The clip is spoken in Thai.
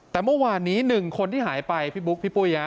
แต่เมื่อวานนี้หนึ่งคนที่หายไปพี่บุ๊กพี่ปุ๊ยน่ะ